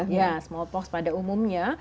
iya smallpox pada umumnya